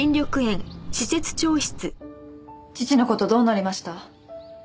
父の事どうなりました？